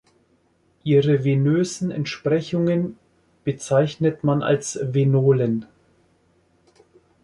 Ihre venösen Entsprechungen bezeichnet man als Venolen.